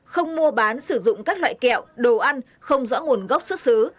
không mua bán sử dụng các loại kẹo đồ ăn không rõ nguồn gốc xuất xứ